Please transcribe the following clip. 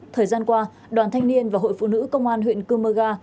thời gian qua đoàn thanh niên và hội phụ nữ công an huyện chumaga